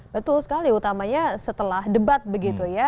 betul sekali utamanya setelah debat begitu ya